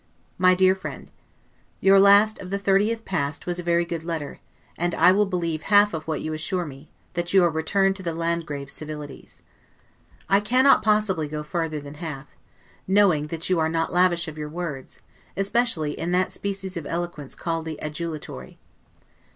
MY DEAR FRIEND: Your last, of the 30th past, was a very good letter; and I will believe half of what you assure me, that you returned to the Landgrave's civilities. I cannot possibly go farther than half, knowing that you are not lavish of your words, especially in that species of eloquence called the adulatory.